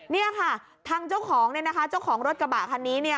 เนี่ยค่ะทางเจ้าของเนี่ยนะคะเจ้าของรถกระบะคันนี้เนี่ย